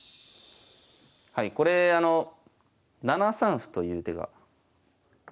はいこれあの７三歩という手が。